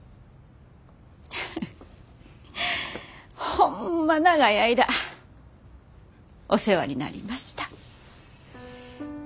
ホンマ長い間お世話になりました。